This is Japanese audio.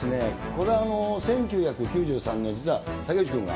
これ、１９９３年、実は竹内君が。